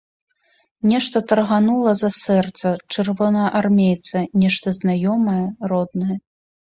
Нешта тарганула за сэрца чырвонаармейца, нешта знаёмае, роднае.